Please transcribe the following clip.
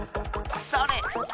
それ！